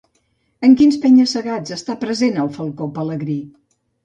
En quins penya-segats està present el falcó pelegrí?